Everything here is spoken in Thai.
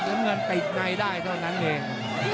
น้ำเงินติดในได้เท่านั้นเอง